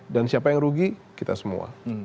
dan siapa yang rugi kita semua